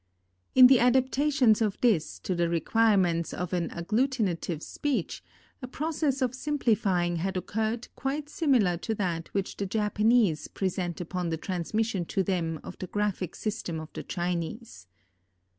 In the adaptations of this to the requirements of an agglutinative speech a process of simplifying had occurred quite similar to that which the Japanese present upon the transmission to them of the graphic system of the Chinese.